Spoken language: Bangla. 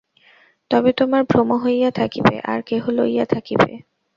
তবে তোমার ভ্রম হইয়া থাকিবে, আর কেহ লইয়া থাকিবে।